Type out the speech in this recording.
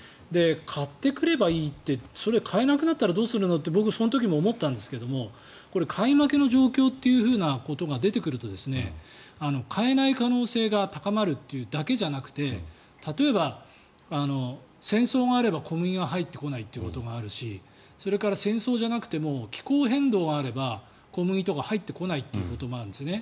買ってくればいいってそれが買えなくなったらどうするのって僕はその時も思ったんですけどこれ、買い負けの状況ということが出てくると買えない可能性が高まるというだけじゃなくて例えば、戦争があれば小麦が入ってこないということがあるしそれから、戦争じゃなくても気候変動があれば小麦とか入ってこないということもあるんですね。